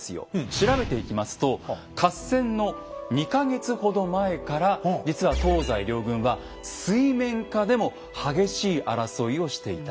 調べていきますと合戦の２か月ほど前から実は東西両軍は水面下でも激しい争いをしていた。